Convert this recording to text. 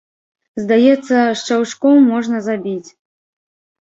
Здаецца, шчаўчком можна забіць!